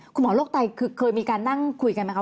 คุณหมอโรคไตเคยมีการนั่งคุยกันไหมคะ